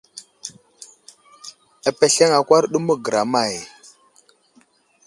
Apesleŋ akwar ɗu məgəra may ?